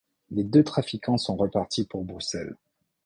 Les deux trafiquants sont repartis pour Bruxelles.